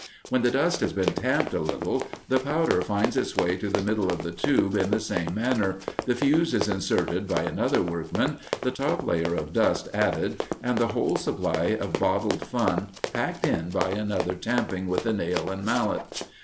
When the dust has been tamped a little, the powder finds its way to the middle of the tube in the same manner, the fuse is inserted by another workman, the top layer of dust added, and the whole supply of bottled fun packed in by another tamping with a nail and mallet.